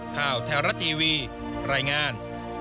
ข่าวแท้รัฐทีวีรายงาน